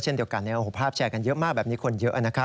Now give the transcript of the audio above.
เช่นเดียวกันแบบนี้แบบนี้คนเยอะนะครับ